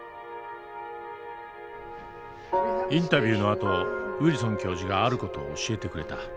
インタビューのあとウィルソン教授がある事を教えてくれた。